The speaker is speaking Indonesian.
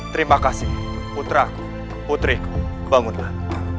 terima kasih puteraku putriku bangunlah